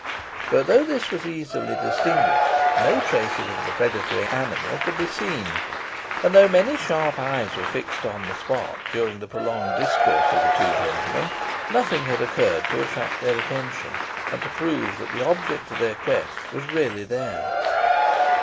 But, though this was easily distinguished, no traces of the predatory animal could be seen; and though many sharp eyes were fixed upon the spot during the prolonged discourse of the two gentlemen, nothing had occurred to attract their attention, and to prove that the object of their quest was really there.